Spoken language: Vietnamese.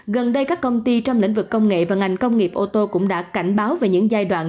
gần đây các công ty trong lĩnh vực công nghệ và ngành công nghiệp ô tô cũng đã cảnh báo về những giai đoạn